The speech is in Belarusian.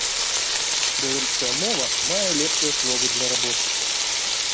Беларуская мова мае лепшыя словы для рабочых.